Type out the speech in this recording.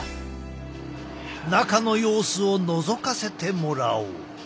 中の様子をのぞかせてもらおう。